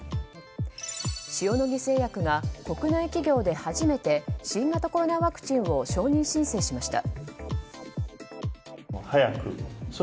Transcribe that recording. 塩野義製薬が国内企業で初めて新型コロナワクチンを承認申請しました。